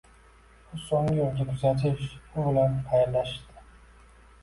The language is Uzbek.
Uni soʻnggi yoʻlga kuzatish, u bilan xayrlashishdi.